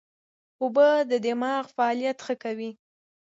اوبه د دماغ فعالیت ښه کوي